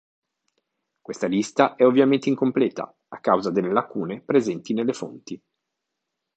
Questa lista è ovviamente incompleta a causa delle lacune presenti nelle fonti.